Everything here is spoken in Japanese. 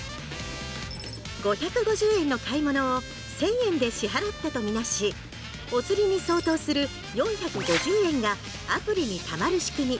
５５０円の買い物を１，０００円で支払ったと見なしおつりに相当する４５０円がアプリにたまる仕組み。